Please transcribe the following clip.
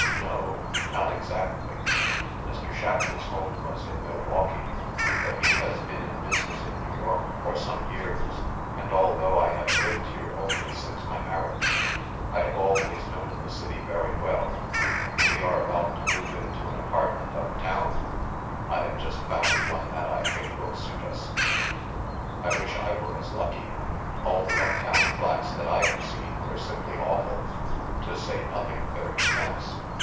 "" No o; not exactly. Mr. Shapleigh's home was in Milwaukee, but he has been in business in New York for some years; and although I have lived here only since my marriage, I have always known the city very well. We are about to move into an apartment up town. I have just found one that I think will suit us." " I wish I were as lucky. All the up town flats that I have seen were simply awful, to say nothing of their expense.